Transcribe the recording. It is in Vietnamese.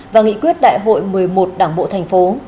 và nghị quyết đại hội một mươi một đảng bộ thành phố